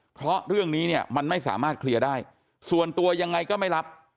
เพราะเรื่องนี้เนี่ยมันไม่สามารถเคลียร์ได้ส่วนตัวยังไงก็ไม่รับ